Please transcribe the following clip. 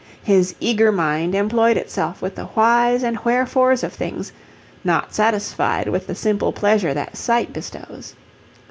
His eager mind employed itself with the whys and wherefores of things, not satisfied with the simple pleasure that sight bestows.